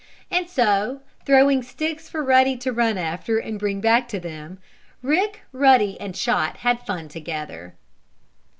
And so, throwing sticks for Ruddy to run after and bring back to them, Rick, Ruddy and Chot had fun together.